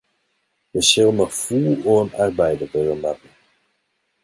Dêr sil noch fûl oan arbeide wurde moatte.